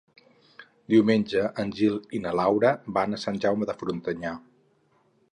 Diumenge en Gil i na Laura van a Sant Jaume de Frontanyà.